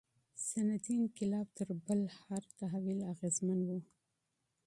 صنعتي انقلاب تر بل هر تحول اغیزمن و.